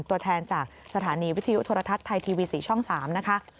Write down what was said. ตัวแทนจากสถานีวิทยุโทรทัศน์ไทยทีวี๔ช่อง๓นะคะ